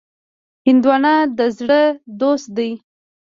هندوانه د زړه دوست دی.